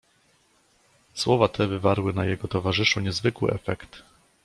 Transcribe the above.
"Słowa te wywarły na jego towarzyszu niezwykły efekt."